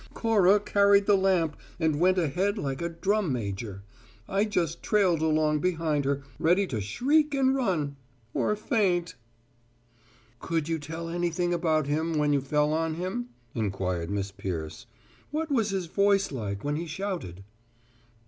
Cora carried the lamp and went ahead like a drum major. I just trailed along behind her, ready to shriek and run or faint!" "Could you tell anything about him when you fell on him?" inquired Miss Peirce. "What was his voice like when he shouted?"